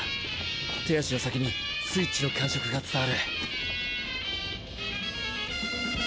手足の先にスイッチの感触が伝わる。